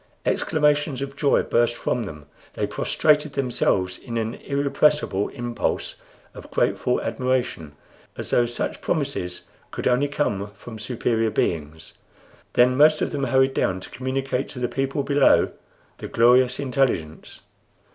Exclamations of joy burst from them; they prostrated themselves in an irrepressible impulse of grateful admiration, as though such promises could only come from superior beings. Then most of them hurried down to communicate to the people below the glorious intelligence.